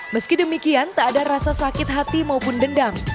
meski demikian tak ada rasa sakit hati maupun dendam